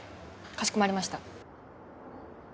かしこまりました。